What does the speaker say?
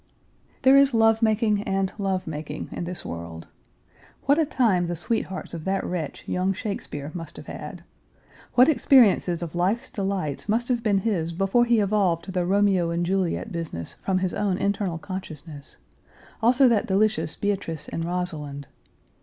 There is love making and love making in this world. What a time the sweethearts of that wretch, young Shakespeare, must have had. What experiences of life's delights must have been his before he evolved the Romeo and Juliet business from his own internal consciousness; also that delicious Page 297 Beatrice and Rosalind.